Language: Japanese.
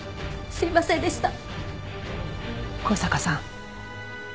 すいませんでした！